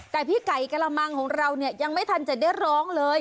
แต่พี่ไก่กระมังของเราเนี่ยยังไม่ทันจะได้ร้องเลย